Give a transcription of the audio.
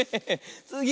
つぎ！